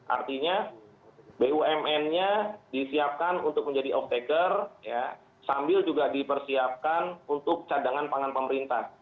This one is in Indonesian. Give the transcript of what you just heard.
artinya bumn nya disiapkan untuk menjadi off taker sambil juga dipersiapkan untuk cadangan pangan pemerintah